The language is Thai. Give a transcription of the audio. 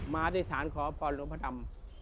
มาที่ฐานขอพ่อหลวงพ่อดำ